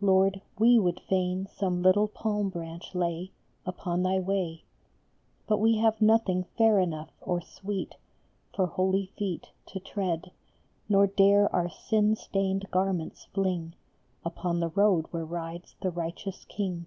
Lord, we would fain some little palm branch lay Upon thy way ; But we have nothing fair enough or sweet For holy feet To tread, nor dare our sin stained garments fling Upon the road where rides the Righteous King.